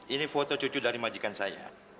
ini foto cucu dari majikan saya